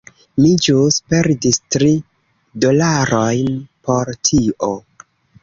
Mi ĵus perdis tri dolarojn por tio.